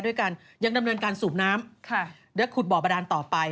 ด้วยกันยังดำเนินการสูบน้ำและขุดบ่อบาดานต่อไป